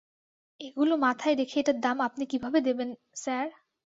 এগুলো মাথায় রেখে, এটার দাম আপনি কিভাবে দেবেন, স্যার?